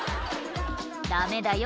ダメだよ